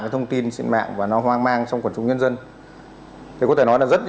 những thông tin này đã gây nhiễu loạn